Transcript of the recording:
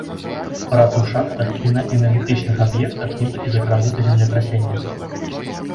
Працы ў шахтах і на энергетычных аб'ектах не былі закрануты землетрасеннем.